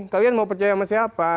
kalian mau percaya sama siapa